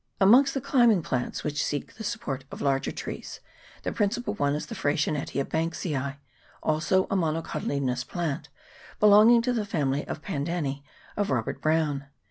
Amongst the climbing plants which seek the support of larger trees, the principal one is the Freycinetia Banksii, also a monocotyledonous plant, belonging to the family of the PandanecB of Robert Brown.